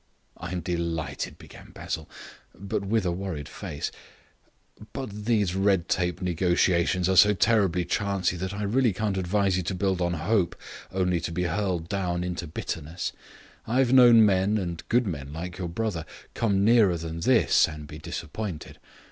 "I am delighted," began Basil, but with a worried face, "but these red tape negotiations are so terribly chancy that I really can't advise you to build on hope, only to be hurled down into bitterness. I've known men, and good men like your brother, come nearer than this and be disappointed.